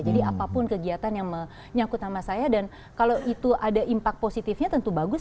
jadi apapun kegiatan yang menyakut nama saya dan kalau itu ada impact positifnya tentu bagus